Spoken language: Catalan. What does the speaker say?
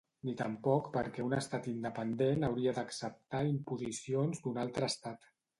Ni tampoc perquè un estat independent hauria d’acceptar imposicions d’un altre estat.